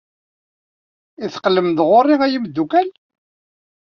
I teqqlem-d ɣer-i a imeddukal?